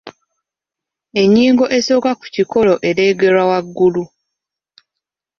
Ennyingo esooka ku kikolo ereegerwa waggulu.